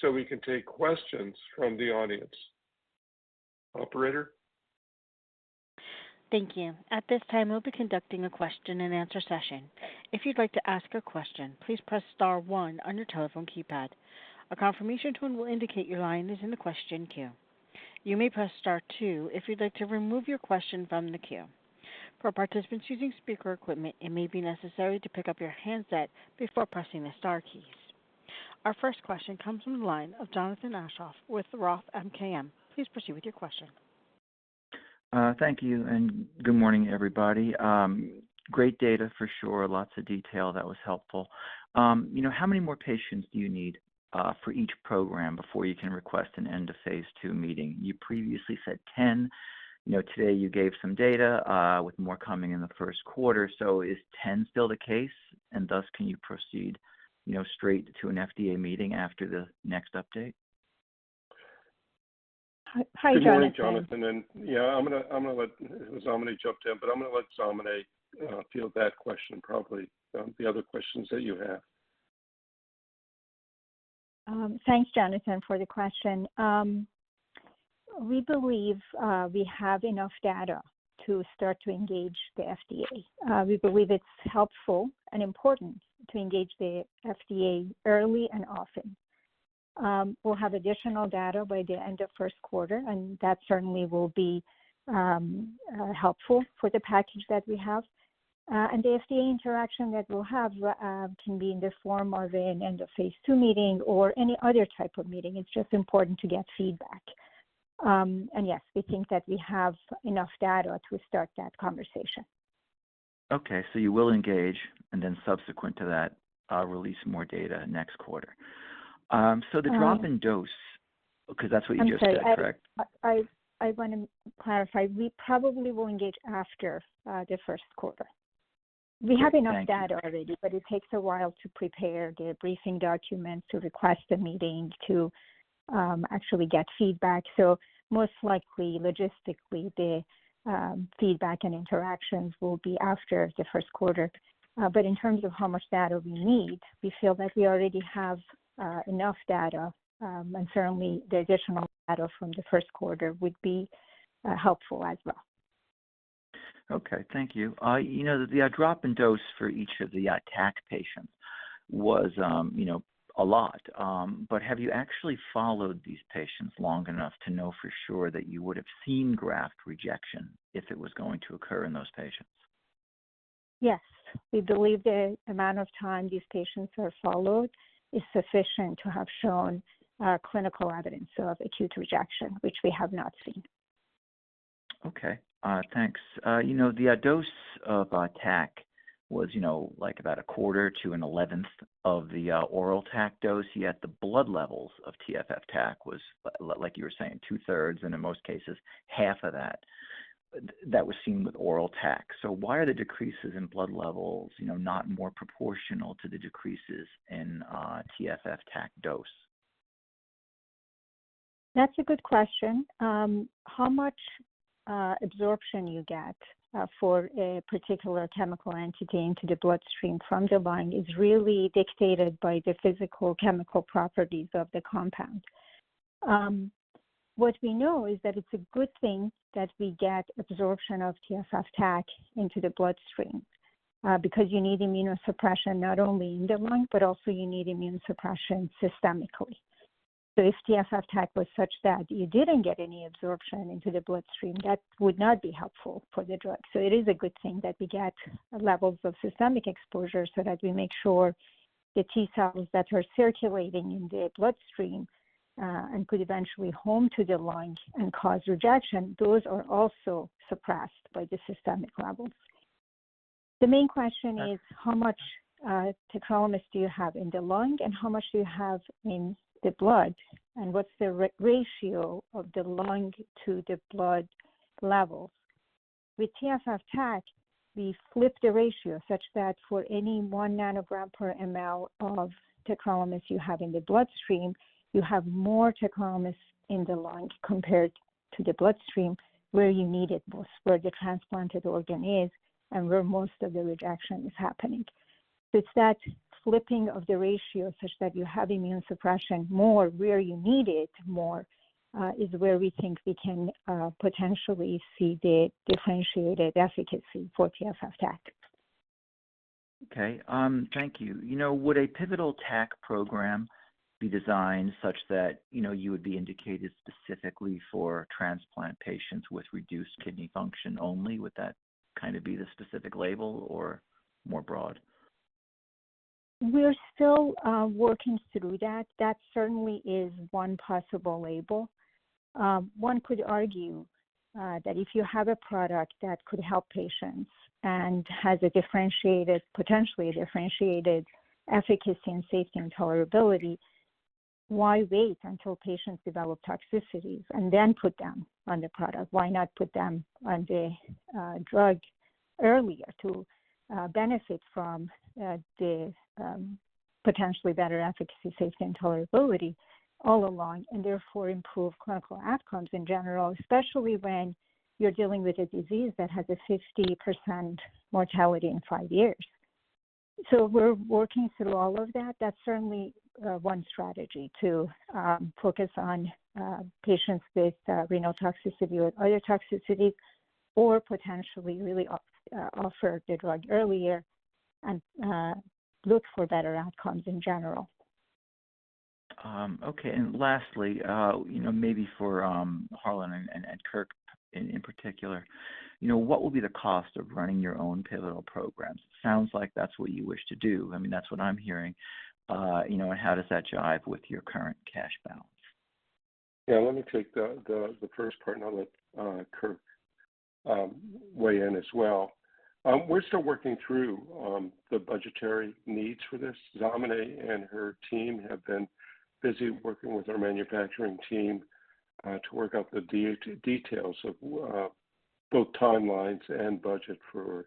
so we can take questions from the audience. Operator? Thank you. At this time, we'll be conducting a question and answer session. If you'd like to ask a question, please press star one on your telephone keypad. A confirmation tone will indicate your line is in the question queue. You may press star two if you'd like to remove your question from the queue. For participants using speaker equipment, it may be necessary to pick up your handset before pressing the star keys. Our first question comes from the line of Jonathan Aschoff with Roth MKM. Please proceed with your question. Thank you, and good morning, everybody. Great data for sure. Lots of detail. That was helpful. You know, how many more patients do you need for each program before you can request an end-of-phase II meeting? You previously said ten. You know, today you gave some data with more coming in the first quarter. So is ten still the case, and thus, can you proceed, you know, straight to an FDA meeting after the next update? Hi, Jonathan. Good morning, Jonathan, and, yeah, I'm gonna, I'm gonna let Zamaneh jump in, but I'm gonna let Zamaneh field that question, probably, the other questions that you have. Thanks, Jonathan, for the question. We believe we have enough data to start to engage the FDA. We believe it's helpful and important to engage the FDA early and often. We'll have additional data by the end of first quarter, and that certainly will be helpful for the package that we have. And the FDA interaction that we'll have can be in the form of an end-of-phase II meeting or any other type of meeting. It's just important to get feedback. And yes, we think that we have enough data to start that conversation. Okay, so you will engage, and then subsequent to that, release more data next quarter. So the- Um- -drop in dose, because that's what you just said, correct? I'm sorry. I wanna clarify. We probably will engage after the first quarter. Thank you. We have enough data already, but it takes a while to prepare the briefing documents, to request a meeting, to actually get feedback. So most likely, logistically, feedback and interactions will be after the first quarter. But in terms of how much data we need, we feel that we already have enough data, and certainly the additional data from the first quarter would be helpful as well. Okay. Thank you. You know, the drop in dose for each of the TAC patients was, you know, a lot, but have you actually followed these patients long enough to know for sure that you would have seen graft rejection if it was going to occur in those patients? Yes. We believe the amount of time these patients are followed is sufficient to have shown clinical evidence of acute rejection, which we have not seen. Okay, thanks. You know, the dose of TAC was, you know, like, about a quarter to an eleventh of the oral TAC dose, yet the blood levels of TFF TAC was like you were saying, 2/3, and in most cases, half of that that was seen with oral TAC. So why are the decreases in blood levels, you know, not more proportional to the decreases in TFF TAC dose? That's a good question. How much absorption you get for a particular chemical entity into the bloodstream from the lung is really dictated by the physical chemical properties of the compound. What we know is that it's a good thing that we get absorption of TFF TAC into the bloodstream because you need immunosuppression not only in the lung, but also you need immunosuppression systemically. So if TFF TAC was such that you didn't get any absorption into the bloodstream, that would not be helpful for the drug. So it is a good thing that we get levels of systemic exposure so that we make sure the T cells that are circulating in the bloodstream and could eventually home to the lung and cause rejection, those are also suppressed by the systemic levels. The main question is- Yeah... how much, tacrolimus do you have in the lung and how much do you have in the blood, and what's the r-ratio of the lung to the blood levels? With TFF TAC, we flip the ratio such that for any 1 ng per ml of tacrolimus you have in the bloodstream, you have more tacrolimus in the lung compared to the bloodstream, where you need it most, where the transplanted organ is and where most of the rejection is happening. It's that flipping of the ratio such that you have immunosuppression more where you need it more, is where we think we can, potentially see the differentiated efficacy for TFF TAC. Okay. Thank you. You know, would a pivotal TAC program be designed such that, you know, you would be indicated specifically for transplant patients with reduced kidney function only? Would that kind of be the specific label or more broad? We're still working through that. That certainly is one possible label. One could argue that if you have a product that could help patients and has a differentiated, potentially differentiated efficacy and safety and tolerability. Why wait until patients develop toxicities and then put them on the product? Why not put them on the drug earlier to benefit from the potentially better efficacy, safety, and tolerability all along, and therefore improve clinical outcomes in general, especially when you're dealing with a disease that has a 50% mortality in five years? So we're working through all of that. That's certainly one strategy to focus on patients with renal toxicity or other toxicities, or potentially really off, offer the drug earlier and look for better outcomes in general. Okay, and lastly, you know, maybe for Harlan and Kirk in particular, you know, what will be the cost of running your own pivotal programs? Sounds like that's what you wish to do. I mean, that's what I'm hearing. You know, and how does that jive with your current cash balance? Yeah, let me take the first part, and I'll let Kirk weigh in as well. We're still working through the budgetary needs for this. Zamaneh and her team have been busy working with our manufacturing team to work out the details of both timelines and budget for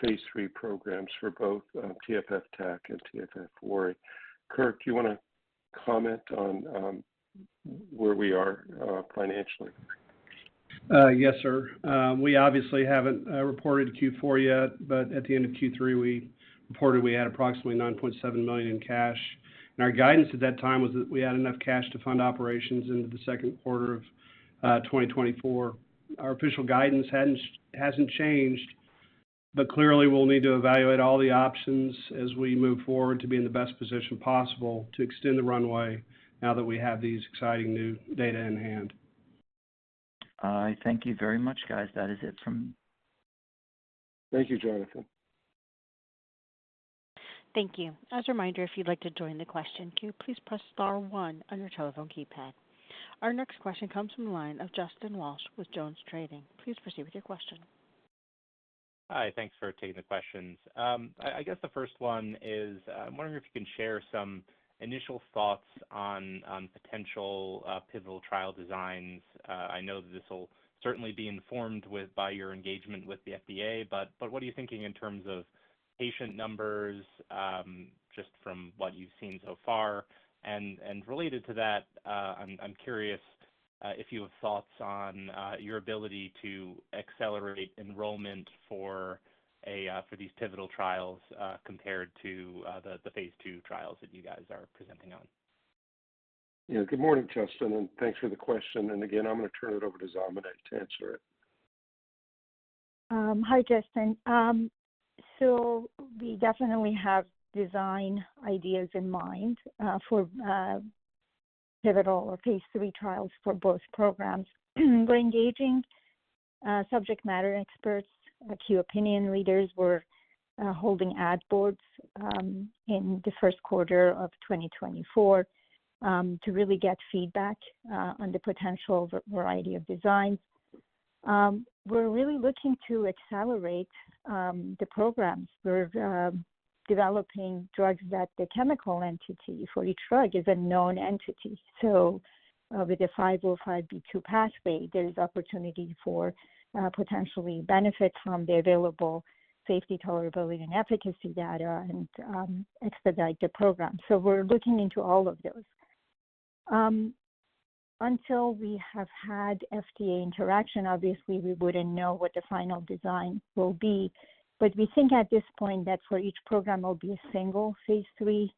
phase III programs for both TFF TAC and TFF VORI. Kirk, do you want to comment on where we are financially? Yes, sir. We obviously haven't reported Q4 yet, but at the end of Q3, we reported we had approximately $9.7 million in cash. Our guidance at that time was that we had enough cash to fund operations into the second quarter of 2024. Our official guidance hadn't, hasn't changed, but clearly, we'll need to evaluate all the options as we move forward to be in the best position possible to extend the runway now that we have these exciting new data in hand. Thank you very much, guys. That is it from- Thank you, Jonathan. Thank you. As a reminder, if you'd like to join the question queue, please press star one on your telephone keypad. Our next question comes from the line of Justin Walsh with JonesTrading. Please proceed with your question. Hi, thanks for taking the questions. I guess the first one is, I'm wondering if you can share some initial thoughts on potential pivotal trial designs. I know that this will certainly be informed by your engagement with the FDA, but what are you thinking in terms of patient numbers, just from what you've seen so far? And related to that, I'm curious if you have thoughts on your ability to accelerate enrollment for these pivotal trials, compared to the phase II trials that you guys are presenting on. Yeah. Good morning, Justin, and thanks for the question. And again, I'm going to turn it over to Zamaneh to answer it. Hi, Justin. So we definitely have design ideas in mind for pivotal or phase III trials for both programs. We're engaging subject matter experts, key opinion leaders. We're holding ad boards in the first quarter of 2024 to really get feedback on the potential variety of designs. We're really looking to accelerate the programs. We're developing drugs that the chemical entity for each drug is a known entity. So with the 505(b)(2) pathway, there is opportunity for potentially benefit from the available safety, tolerability, and efficacy data and expedite the program. So we're looking into all of those. Until we have had FDA interaction, obviously, we wouldn't know what the final design will be, but we think at this point that for each program will be a single phase III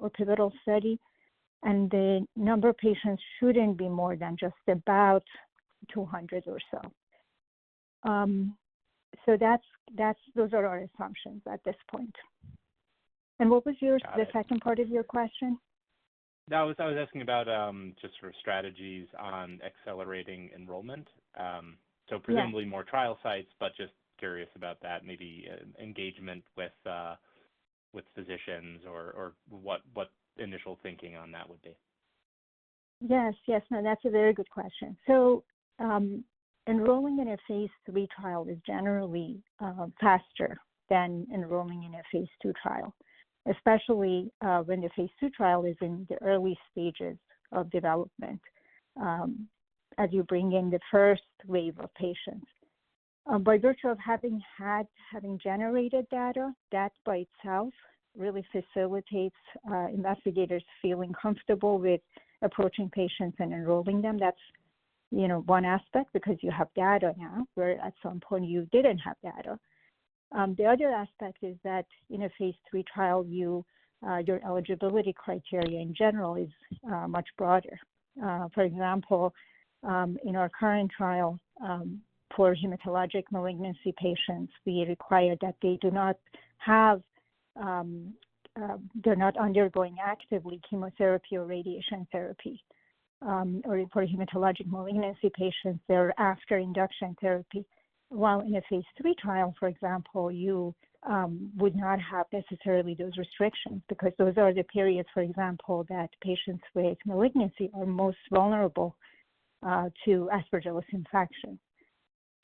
or pivotal study, and the number of patients shouldn't be more than just about 200 or so. So that's, those are our assumptions at this point. And what was your- Got it. The second part of your question? That was, I was asking about just for strategies on accelerating enrollment. So- Yeah... presumably more trial sites, but just curious about that, maybe engagement with physicians or what initial thinking on that would be. Yes. Yes, and that's a very good question. So, enrolling in a phase III trial is generally faster than enrolling in a phase II trial, especially when the phase II trial is in the early stages of development, as you bring in the first wave of patients. By virtue of having generated data, that by itself really facilitates investigators feeling comfortable with approaching patients and enrolling them. That's, you know, one aspect because you have data now, where at some point you didn't have data. The other aspect is that in a phase III trial, you, your eligibility criteria in general is much broader. For example, in our current trial, for hematologic malignancy patients, we require that they do not have, they're not undergoing actively chemotherapy or radiation therapy. or for hematologic malignancy patients, they're after induction therapy, while in a phase III trial, for example, you would not have necessarily those restrictions because those are the periods, for example, that patients with malignancy are most vulnerable to Aspergillus infection.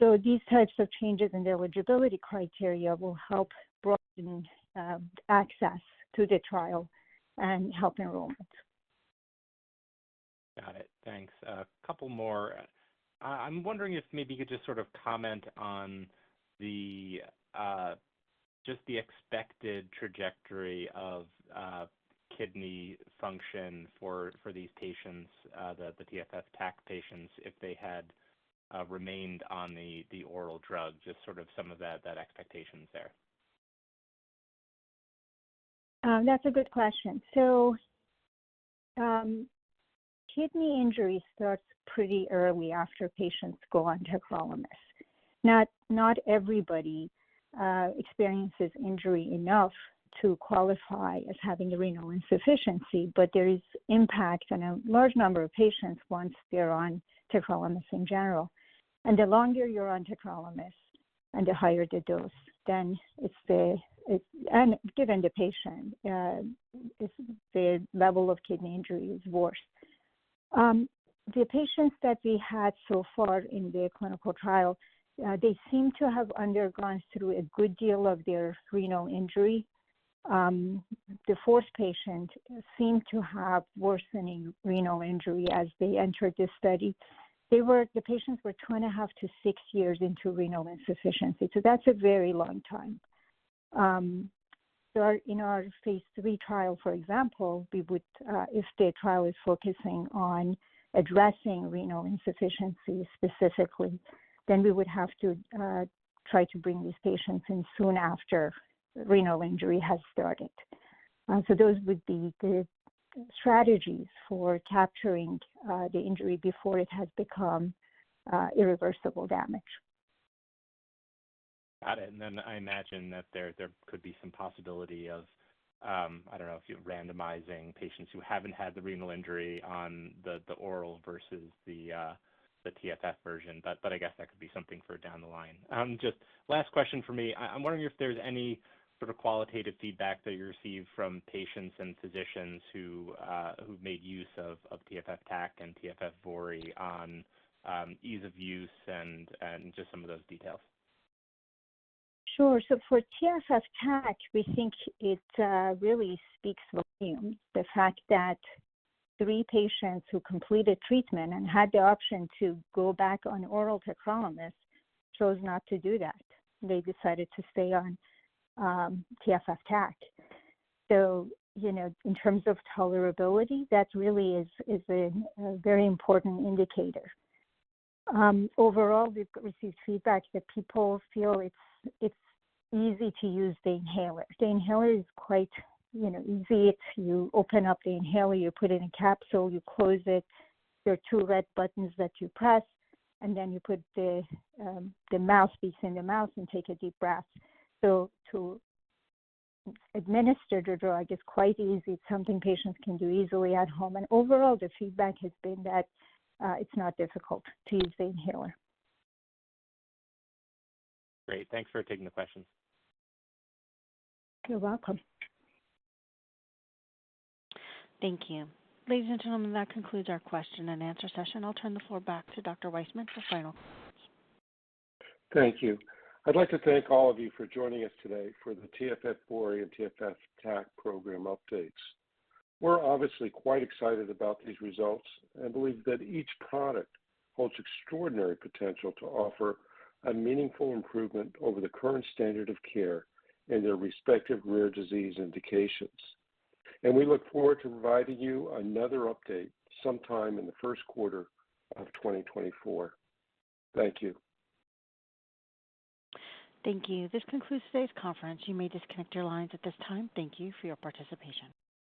So these types of changes in the eligibility criteria will help broaden access to the trial and help enrollment. Got it. Thanks. A couple more. I'm wondering if maybe you could just sort of comment on the, just the expected trajectory of, kidney function for, for these patients, the TFF TAC patients, if they had, remained on the, the oral drug, just sort of some of that, that expectations there. That's a good question. So, kidney injury starts pretty early after patients go on tacrolimus. Now, not everybody experiences injury enough to qualify as having a renal insufficiency, but there is impact on a large number of patients once they're on tacrolimus in general. And the longer you're on tacrolimus and the higher the dose, then, and given the patient, the level of kidney injury is worse. The patients that we had so far in the clinical trial, they seem to have undergone through a good deal of their renal injury. The fourth patient seemed to have worsening renal injury as they entered the study. They were two and a half to six years into renal insufficiency, so that's a very long time. So in our phase III trial, for example, we would, if the trial is focusing on addressing renal insufficiency specifically, then we would have to try to bring these patients in soon after renal injury has started. So those would be the strategies for capturing the injury before it has become irreversible damage. Got it. And then I imagine that there could be some possibility of, I don't know, if you're randomizing patients who haven't had the renal injury on the oral versus the TFF version, but I guess that could be something for down the line. Just last question for me. I'm wondering if there's any sort of qualitative feedback that you received from patients and physicians who've made use of TFF TAC and TFF VORI on ease of use and just some of those details. Sure. So for TFF TAC, we think it really speaks volumes. The fact that three patients who completed treatment and had the option to go back on oral tacrolimus chose not to do that. They decided to stay on TFF TAC. So you know, in terms of tolerability, that really is a very important indicator. Overall, we've received feedback that people feel it's easy to use the inhaler. The inhaler is quite, you know, easy. You open up the inhaler, you put in a capsule, you close it. There are two red buttons that you press, and then you put the mouthpiece in your mouth and take a deep breath. So to administer the drug is quite easy. It's something patients can do easily at home, and overall, the feedback has been that it's not difficult to use the inhaler. Great. Thanks for taking the question. You're welcome. Thank you. Ladies and gentlemen, that concludes our question and answer session. I'll turn the floor back to Dr. Weisman for final comments. Thank you. I'd like to thank all of you for joining us today for the TFF VORI and TFF TAC program updates. We're obviously quite excited about these results and believe that each product holds extraordinary potential to offer a meaningful improvement over the current standard of care in their respective rare disease indications. And we look forward to providing you another update sometime in the first quarter of 2024. Thank you. Thank you. This concludes today's conference. You may disconnect your lines at this time. Thank you for your participation.